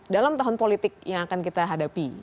dalam tahun politik yang akan kita hadapi